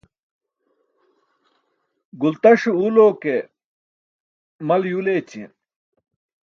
Guyltaṣe uul oo ke, mal yuul eećiyen.